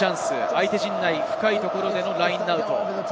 相手陣内、深いところでのラインアウト。